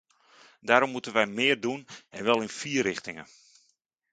Daarom moeten wij meer doen en wel in vier richtingen.